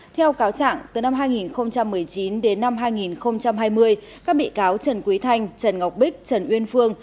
theo cáo trạng từ năm hai nghìn một mươi chín đến năm hai nghìn hai mươi các bị cáo trần quý thanh trần ngọc bích trần uyên phương